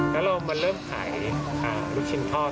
แล้วเรามาเริ่มขายลูกชิ้นทอด